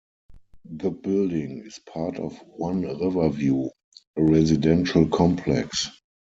The building is part of One Riverview, a residential complex.